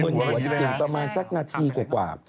หัวจริงประมาณสักนาทีกว่า